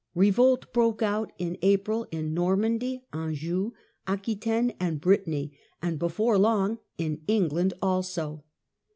Revolt broke out in April in Normandy, Anjou, Aquitaine, and Brittany — and before long in England also.